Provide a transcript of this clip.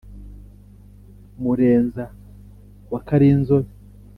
murenza wa karinzobe